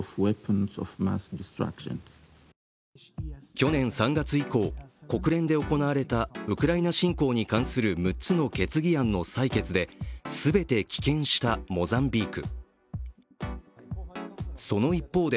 去年３月以降、国連で行われたウクライナ侵攻に関する６つの決議案の採決で全て棄権したモザンビーク。